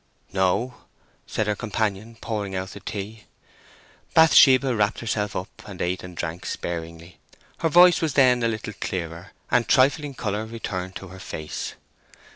"No," said her companion, pouring out the tea. Bathsheba wrapped herself up and ate and drank sparingly. Her voice was then a little clearer, and trifling colour returned to her face.